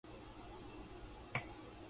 ここで確実に祓います。